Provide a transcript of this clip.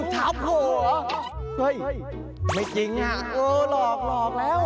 เฮ้ยไม่จริงอ่ะโอ้ยหลอกแล้ว